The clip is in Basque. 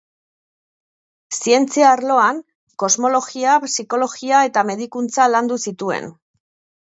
Zientzia arloan, kosmologia, psikologia eta medikuntza landu zituen.